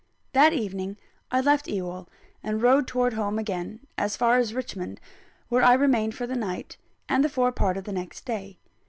That evening I left Ewell, and rode towards home again, as far as Richmond, where I remained for the night and the forepart of the next day.